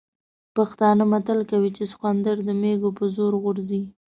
پښتانه متل کوي چې سخوندر د مېږوي په زور غورځي.